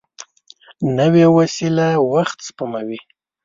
نوې وسېله وخت سپموي